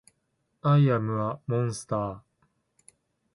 アイアムアモンスター